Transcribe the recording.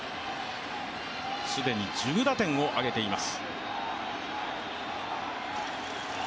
既に１０打点を挙げています。